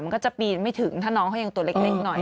มันก็จะปีนไม่ถึงถ้าน้องเขายังตัวเล็กหน่อย